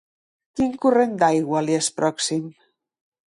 Quin corrent d'aigua li és pròxim?